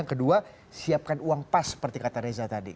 yang kedua siapkan uang pas seperti kata reza tadi